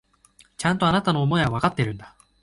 ちゃんと、あなたの思いはわかっているんだ。